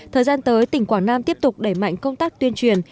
thời gian tới tỉnh quảng nam tiếp tục đẩy mạnh công tác tuyên truyền